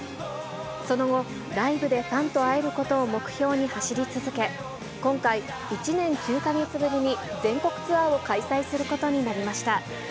その後、ライブでファンと会えることを目標に走り続け、今回、１年９か月ぶりに全国ツアーを開催することになりました。